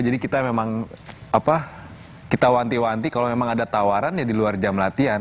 jadi kita memang apa kita wanti wanti kalau memang ada tawaran ya di luar jam latihan